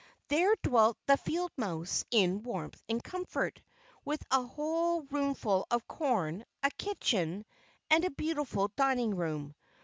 There dwelt the field mouse in warmth and comfort, with a whole roomful of corn, a kitchen, and a beautiful dining room.